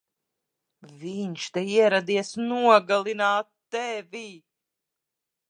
Viņš te ieradies nogalināt tevi!